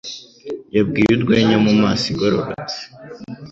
Yabwiye urwenya mumaso igororotse.